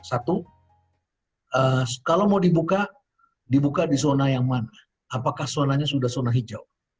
satu kalau mau dibuka dibuka di zona yang mana apakah zonanya sudah zona hijau